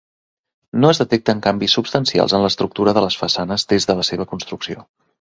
No es detecten canvis substancials en l'estructura de les façanes des de la seva construcció.